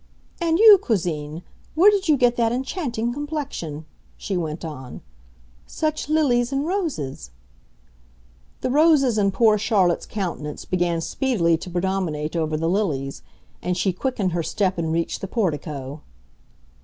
"And you, cousine, where did you get that enchanting complexion?" she went on; "such lilies and roses?" The roses in poor Charlotte's countenance began speedily to predominate over the lilies, and she quickened her step and reached the portico.